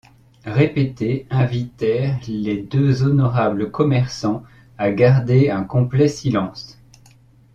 répétés invitèrent les deux honorables commerçants à garder un complet silence.